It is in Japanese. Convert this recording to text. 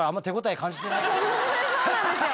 そうなんですよ。